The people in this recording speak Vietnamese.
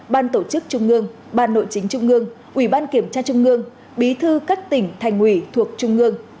ban tổ chức trung ương ban nội chính trung ương ủy ban kiểm tra trung ương bí thư các tỉnh thành ủy thuộc trung ương